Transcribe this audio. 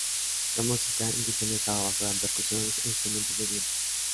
La música indígena estaba basada en percusiones e instrumentos de viento.